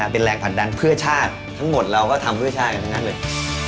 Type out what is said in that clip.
เป็นแรงผลักดันเพื่อชาติทั้งหมดเราก็ทำเพื่อชาติกันทั้งนั้นเลย